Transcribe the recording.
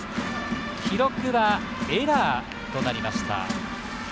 記録はエラーとなりました。